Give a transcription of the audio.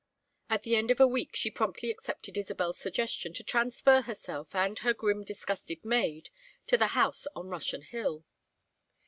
At the end of a week she promptly accepted Isabel's suggestion to transfer herself and her grim disgusted maid to the house on Russian Hill.